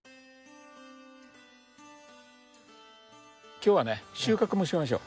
今日はね収穫もしましょう。